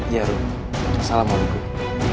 ya rul salam walaikum